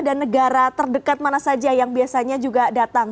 dan negara terdekat mana saja yang biasanya juga datang